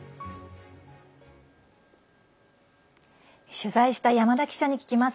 取材した山田記者に聞きます。